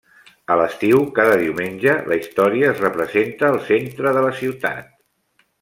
A l'estiu, cada diumenge, la història es representa al centre de la ciutat.